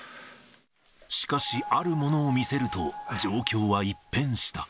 しかし、あるものを見せると、状況は一変した。